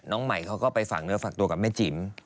น้องใหม่เขาก็ไปฝากเนื้อฝากตัวกับแม่จิ๋ม